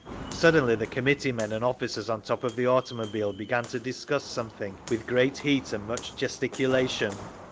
Suddenly the committeemen and officers on top of the automobile began to discuss something with great heat and much gesticulation.